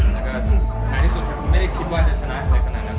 แล้วก็ท้ายที่สุดไม่ได้คิดว่าจะชนะอะไรขนาดนั้น